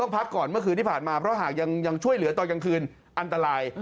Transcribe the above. เพราะหากยังช่วยเหลือตอนกลางคืนอันตราย